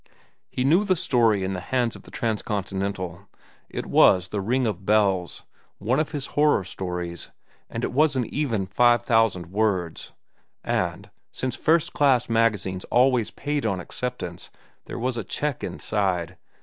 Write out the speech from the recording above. He knew the story in the hands of the Transcontinental. It was "The Ring of Bells," one of his horror stories, and it was an even five thousand words. And, since first class magazines always paid on acceptance, there was a check inside.